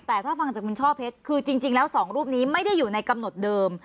แต่ถ้าฟังจากคุณช่อเพชรคือจริงแล้วสองรูปนี้ไม่ได้อยู่ในกำหนดเดิม